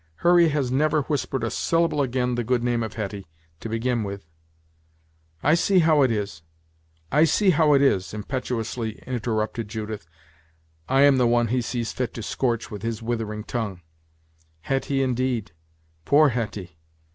Hurry has never whispered a syllable ag'in the good name of Hetty, to begin with " "I see how it is I see how it is," impetuously interrupted Judith. "I am the one he sees fit to scorch with his withering tongue! Hetty, indeed! Poor Hetty!"